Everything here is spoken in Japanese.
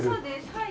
はい。